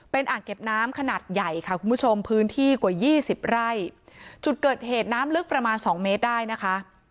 เป็นอ่างเก็บน้ำขนาดใหญ่ค่ะคุณผู้ชมพื้นที่กว่ายี่สิบไร่จุดเกิดเหตุน้ำลึกประมาณสองเมตรได้นะคะ